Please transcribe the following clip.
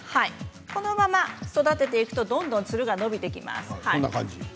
このまま育てていくとどんどんつるが伸びていきます。